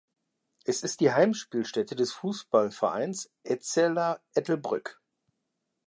Es ist die Heimspielstätte des Fußballvereins Etzella Ettelbrück.